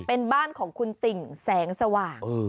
เป็นบ้านของคุณติ่งแสงสว่าง